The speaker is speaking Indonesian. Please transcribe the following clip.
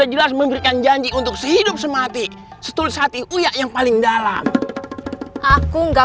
jelas memberikan janji untuk sehidup semati setulus hati uyak yang paling dalam aku enggak